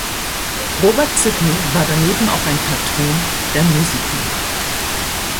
Robert Sidney war daneben auch ein Patron der Musiker.